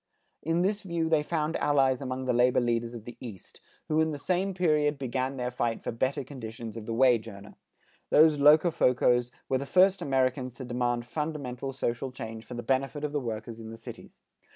In this view they found allies among the labor leaders of the East, who in the same period began their fight for better conditions of the wage earner. These Locofocos were the first Americans to demand fundamental social changes for the benefit of the workers in the cities.